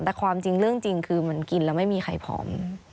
แต่ความจริงเรื่องจริงคือมันกินแล้วไม่มีใครผอม